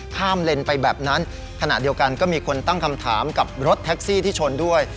เลนไปแบบนั้นขณะเดียวกันก็มีคนตั้งคำถามกับรถแท็กซี่ที่ชนด้วย